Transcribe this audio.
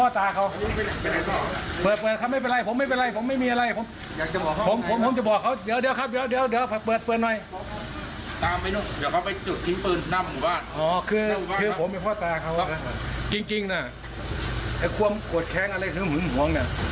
ทำไมพ่อตาเขานะครับจริงน่ะไอ้ควมกวดแค้งอะไรซื้อเหมือนหวงน่ะ